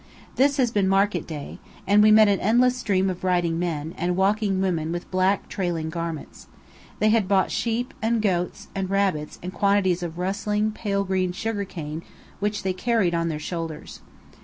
This has been market day, and we met an endless stream of riding men, and walking women with black trailing garments. They had bought sheep, and goats, and rabbits, and quantities of rustling, pale green sugar cane, which they carried on their shoulders.